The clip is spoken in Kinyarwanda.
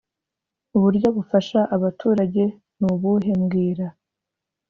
Uburyo bufasha abaturage nubuhe mbwira